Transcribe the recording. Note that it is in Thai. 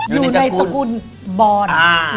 อยู่ในตระกูลบอล